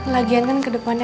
lagian kan ke depannya